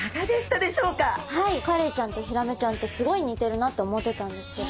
はいカレイちゃんとヒラメちゃんってすごい似てるなって思ってたんですけど。